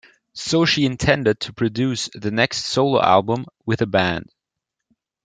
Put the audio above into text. So she intended to produce the next solo album with a band.